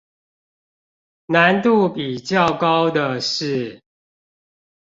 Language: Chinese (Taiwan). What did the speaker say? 難度比較高的是